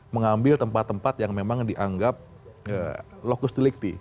mengambil tempat tempat yang memang dianggap lokus delikti